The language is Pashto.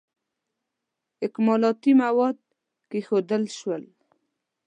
اکمالاتي مواد کښېښودل شول.